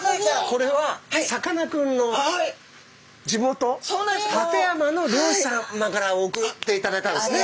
これはさかなクンの地元館山の漁師さまから送っていただいたんですね。